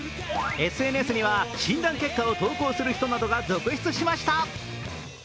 ＳＮＳには、診断結果を投稿する人などが続出しました。